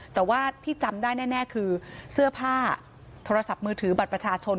แต่ว่าที่จำได้แน่คือเสื้อผ้าโทรศัพท์มือถือบัตรประชาชน